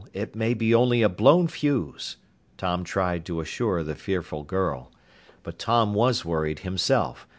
It may be only a blown fuse," Tom tried to assure the fearful girl. But Tom was worried himself.